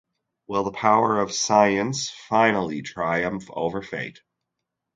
Will the power of science finally triumph over fate?